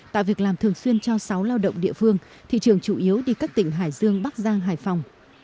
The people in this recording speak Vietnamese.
tạo việc làm thường xuyên cho sáu lao động địa phương thị trường chủ yếu đi các tỉnh hải dương bắc giang hải phòng